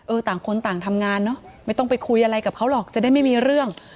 ต่างคนต่างทำงานเนอะไม่ต้องไปคุยอะไรกับเขาหรอกจะได้ไม่มีเรื่อง